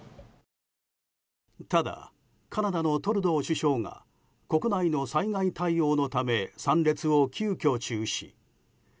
ただ、カナダのトルドー首相が国内の災害対応のため参列を急きょ中止。